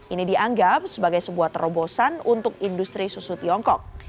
ini dianggap sebagai sebuah terobosan untuk industri susu tiongkok